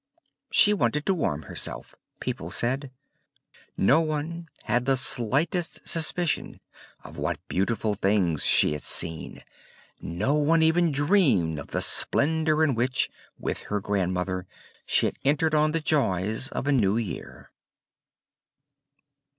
"She wanted to warm herself," people said. No one had the slightest suspicion of what beautiful things she had seen; no one even dreamed of the splendor in which, with her grandmother she had entered on the joys of a new year.